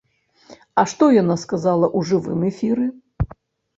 А што яна сказала ў жывым эфіры?